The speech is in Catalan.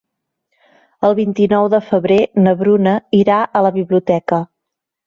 El vint-i-nou de febrer na Bruna irà a la biblioteca.